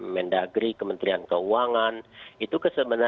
menteri kesehatan menteri kesehatan menteri kesehatan menteri kesehatan